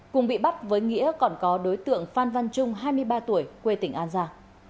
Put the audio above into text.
cùng bị bắt với nghĩa còn có đối tượng phan văn trung hai mươi ba tuổi quê tỉnh an giang